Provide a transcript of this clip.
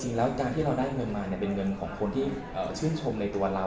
จริงแล้วการที่เราได้เงินมาเป็นเงินของคนที่ชื่นชมในตัวเรา